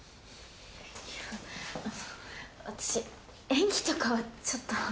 いやあの私演技とかはちょっと。